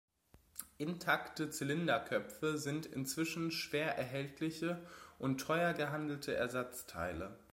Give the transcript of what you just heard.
Intakte Zylinderköpfe sind inzwischen schwer erhältliche und teuer gehandelte Ersatzteile.